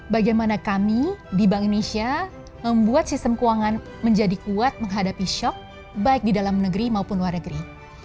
bagaimana kami di bank indonesia membuat sistem keuangan menjadi kuat menghadapi shock baik di dalam negeri maupun luar negeri